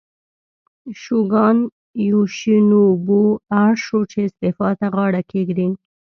شوګان یوشینوبو اړ شو چې استعفا ته غاړه کېږدي.